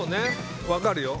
分かるよ。